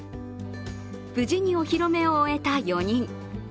無事にお披露目を終えた４人。